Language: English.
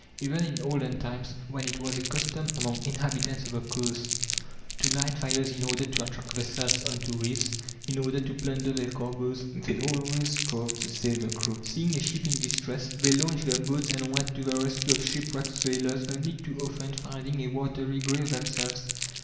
Even in olden times, when it was a custom among inhabitants of the coasts to light fires in order to attract vessels on to reefs, in order to plunder their cargoes, they always strove to save the crew. Seeing a ship in distress, they launched their boats and went to the rescue of shipwrecked sailors, only too often finding a watery grave themselves.